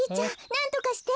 なんとかして。